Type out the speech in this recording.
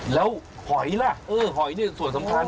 แล้วหอยล่ะเออหอยนี่ส่วนสำคัญ